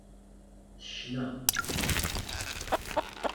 Tecna.